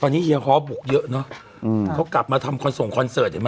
ตอนนี้เฮียฮอร์บบุกเยอะเนาะอืมเขากลับมาทำควรส่งเห็นไหม